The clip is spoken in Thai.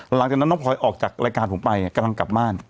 หลังจากนั้นน้องพลอยออกจากรายการผมไปกำลังกลับบ้าน